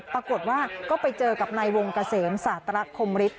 ปรากฏว่าก็ไปเจอกับในวงกาเสมสาตราคมฤทธิ์